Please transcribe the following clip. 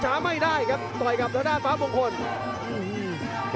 โอ้โหไม่พลาดกับธนาคมโดโด้แดงเขาสร้างแบบนี้